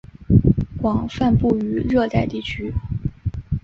广泛布于热带地区。